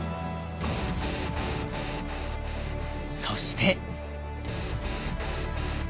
そして。